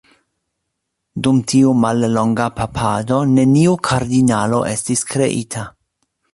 Dum tiu mallonga papado neniu kardinalo estis kreita.